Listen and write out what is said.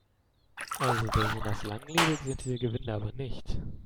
Also besonders langlebig sind diese Gewinde aber nicht.